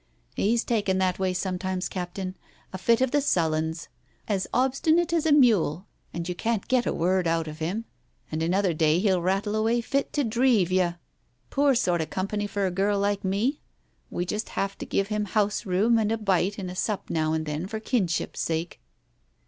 "He's taken that way sometimes, Captain. A fit of the sullens. As obstinate as a mule, and you can't get a word out of him ; and another day he'll rattle away fit to deave you. Poor sort of company for a girl like me ! We just have to give him house room and a bite and a sup now and then for kinship's sake."